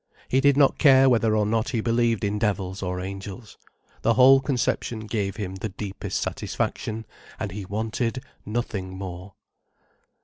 He did not care whether or not he believed in devils or angels. The whole conception gave him the deepest satisfaction, and he wanted nothing more.